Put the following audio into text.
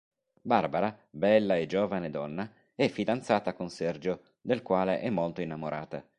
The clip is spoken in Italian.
Barbara, bella e giovane donna, è fidanzata con Sergio del quale è molto innamorata.